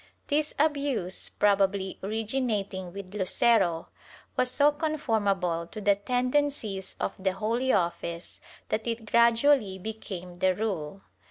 ^ This abuse, probably origi nating with Lucero, was so conformable to the tendencies of the Holy Office that it gradually became the rule.